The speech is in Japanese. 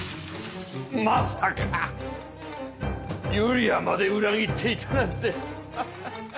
まさかユリアまで裏切っていたなんてハハハ。